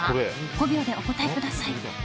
５秒でお答えください。